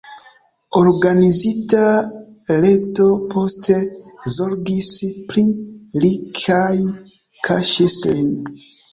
Organizita reto poste zorgis pri li kaj kaŝis lin.